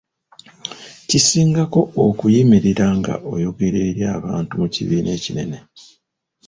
Kisingako okuyimirira nga oyogera eri abantu mu kibinja ekinene.